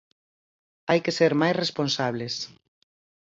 Hai que ser máis responsables.